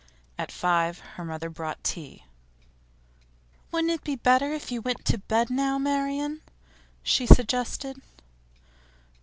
At five her mother brought tea. 'Wouldn't it be better if you went to bed now, Marian?' she suggested.